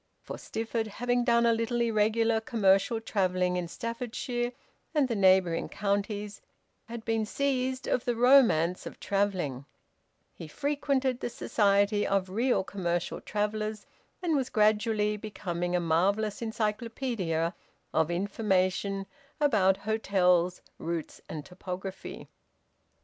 For Stifford, having done a little irregular commercial travelling in Staffordshire and the neighbouring counties, had been seised of the romance of travelling; he frequented the society of real commercial travellers, and was gradually becoming a marvellous encyclopaedia of information about hotels, routes, and topography.